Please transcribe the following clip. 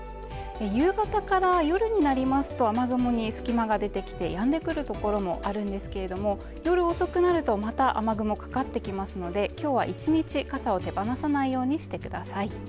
夕方から夜になりますと雨雲に隙間が出てきてやんでくるところもあるんですけれども、夜遅くなるとまた雨雲かかってきますので、今日は１日朝お手放さないようにしてください。